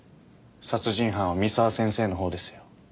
殺人犯は三沢先生のほうですよ。